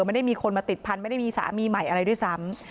ไม่ได้มีคนมาติดพันธุ์ไม่ได้มีสามีใหม่อะไรด้วยซ้ำ